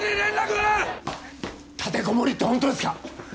立てこもりってホントですか？